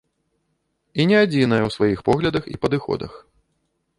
І не адзіная ў сваіх поглядах і падыходах.